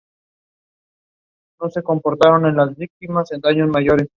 En el reinado de Dionisio I, fueron construidas las murallas de la ciudad.